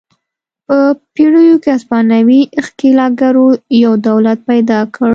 په پیرو کې هسپانوي ښکېلاکګرو یو دولت پیدا کړ.